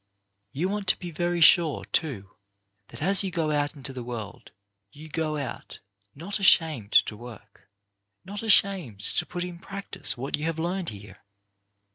You want to be very sure, too, that as you go out into the world, you go out not ashamed to work; not ashamed to put in practice what you have learned here.